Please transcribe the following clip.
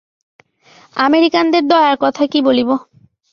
আমেরিকানদের দয়ার কথা কি বলিব।